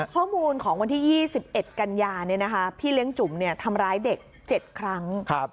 ข้อมูลของวันที่๒๑กันยาพี่เลี้ยงจุ๋มทำร้ายเด็ก๗ครั้ง